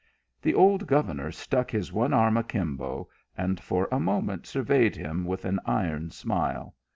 The old governor stuck his one arm a kimbo, and for a moment surveyed him with an iron smile.